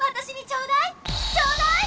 ちょうだい！